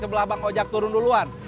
sebelah bang ojak turun duluan